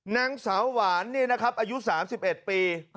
นางสาวหวานอายุ๓๑ปี